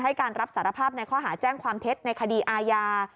ให้การรับสารภาพในข้อหาแจ้งความเท็จในคดีอาญา